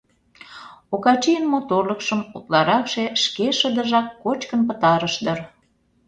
Окачийын моторлыкшым утларакше шке шыдыжак кочкын пытарыш дыр.